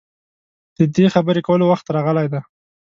د دې خبرې کولو وخت راغلی دی.